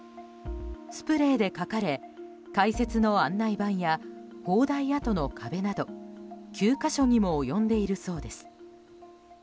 スプレーで書かれ解説の案内板や砲台跡の壁など９か所にも及んでいるそうです。